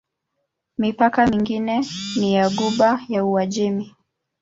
Mipaka mingine ni ya Ghuba ya Uajemi.